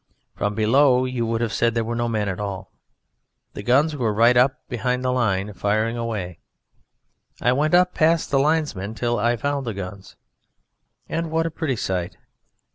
From below you would have said there were no men at all. The guns were right up beyond the line, firing away. I went up past the linesmen till I found the guns. And what a pretty sight!